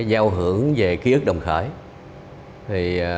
giao hưởng về ký ức đồng khởi